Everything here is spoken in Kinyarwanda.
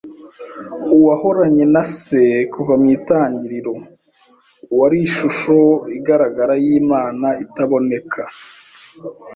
Uwahoranye na Se kuva mu itangiriro, Uwari ishusho igaragara y’Imana itaboneka,